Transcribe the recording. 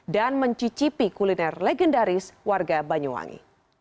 dan mencicipi kuliner legendaris warga banyuwangi